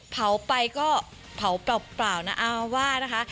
เผาไปก็เผาเปล่านะเอาว่านะคะ